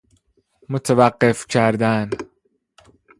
متوقف کردن